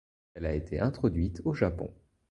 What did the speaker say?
Elle a été introduite au Japon.